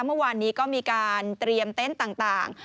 เมื่อวานนี้ก็มีการเตรียมเต้นต่าง